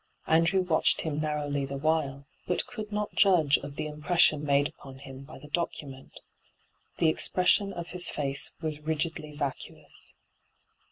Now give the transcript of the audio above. Andrew watched him narrowly the while, but could not judge of the impression made upon him by the document. The expression of his face was rigidly vacuous.